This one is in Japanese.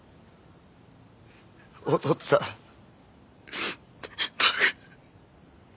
お父っつぁんバカ。